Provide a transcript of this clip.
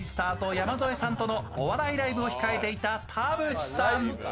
・山添さんとのお笑いライブを控えていた田渕さん。